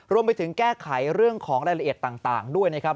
รวมไปถึงแก้ไขเรื่องของรายละเอียดต่างด้วยนะครับ